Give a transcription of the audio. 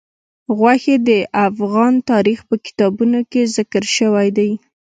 غوښې د افغان تاریخ په کتابونو کې ذکر شوی دي.